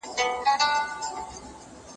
تعلیم د نارینه او ښځینه حق دی.